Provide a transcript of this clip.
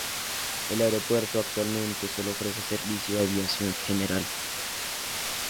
El aeropuerto actualmente solo ofrece servicio de aviación general.